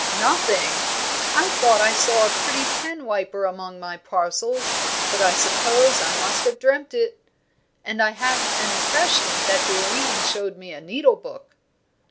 "Nothing! I thought I saw a pretty penwiper among my parcels, but I suppose I must have dreamt it; and I had an impression that Doreen showed me a needle book."